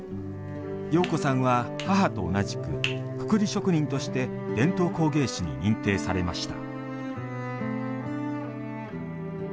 庸子さんは母と同じくくくり職人として伝統工芸士に認定されました。